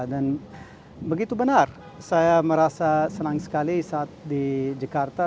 dan begitu benar saya merasa senang sekali saat di jakarta